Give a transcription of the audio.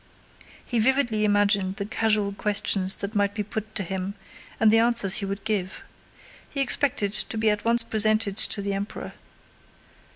He vividly imagined the casual questions that might be put to him and the answers he would give. He expected to be at once presented to the Emperor.